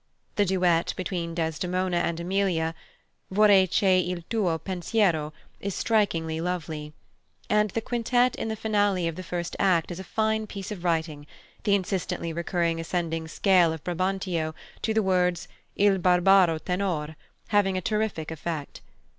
The duet between Desdemona and Emilia, "Vorrei che il tuo pensiero," is strikingly lovely; and the quintet in the finale of the first act is a fine piece of writing, the insistently recurring ascending scale of Brabantio to the words "il barbaro tenor" having a terrific effect.